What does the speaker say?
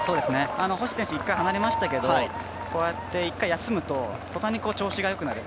星選手、１回離れましたけどこうやって１回休むと途端に調子が良くなる。